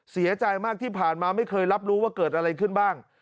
เสียใจมากที่ผ่านมาไม่เคยรับรู้ว่าเกิดอะไรขึ้นบ้าง